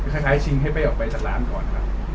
คล้ายชิงให้ไปออกไปจากร้านก่อนนะครับ